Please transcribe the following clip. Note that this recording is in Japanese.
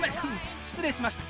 失礼しました。